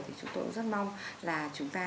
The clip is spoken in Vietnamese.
thì chúng tôi rất mong là chúng ta